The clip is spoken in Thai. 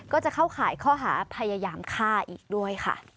ก็จะเข้าข่ายข้อหาพยายามฆ่าอีกด้วยค่ะ